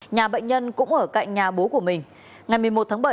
nhà bệnh nhân cũng ở cạnh nhà bố của mình